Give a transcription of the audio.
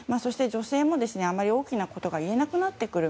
女性もあまり大きなことが言えなくなってくる。